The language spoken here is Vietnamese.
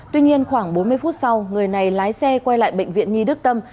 tuy nhiên khoảng bốn mươi phút sau người này lái xe quay lại bệnh viện nhi đức tâm